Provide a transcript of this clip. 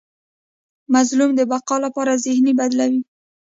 مظلوم د بقا لپاره ذهن بدلوي.